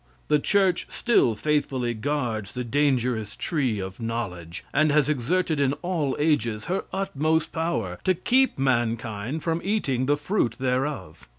The church still faithfully guards the dangerous tree of knowledge, and has exerted in all ages her utmost power to keep mankind from eating the fruit thereof.